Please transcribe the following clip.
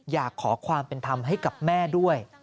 อยากขอความเป็นธรรมให้กับแม่ด้วย